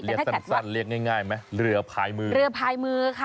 เรียกได้สั้นเรียกง่ายไหมเหรือพายมือ